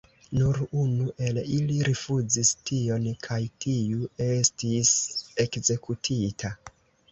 Nur unu el ili rifuzis tion kaj tiu estis ekzekutita.